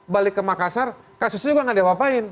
balik ke makassar kasusnya juga nggak diapa apain